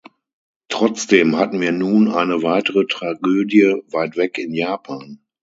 Trotzdem hatten wir nun eine weitere Tragödie weit weg in Japan.